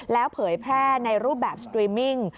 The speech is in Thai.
แล้วเผยแพร่ในรูปแบบสตรีมมิ่ง